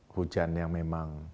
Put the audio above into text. hujan yang memang